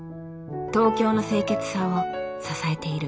東京の清潔さを支えている。